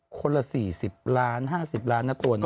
คนละ๔๐ล้าน๕๐ล้านนะตัวนี้